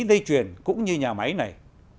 dây chuyền cũng như nhà máy này